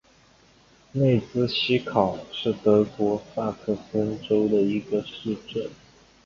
内茨希考是德国萨克森州的一个市镇。